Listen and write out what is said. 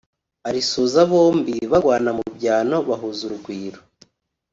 arisoza bombi bagwana mu byano bahuza urugwiro